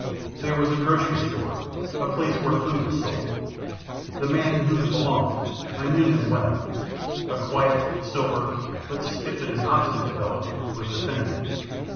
"There was a grocery store a place where food was sold. The man to whom it belonged I knew him well a quiet, sober, but stupid and obstinate fellow, was defending it.